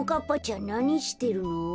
んなにしてるの？